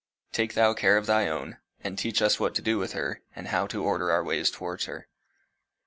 Take thou care of thy own, and teach us what to do with her, and how to order our ways towards her."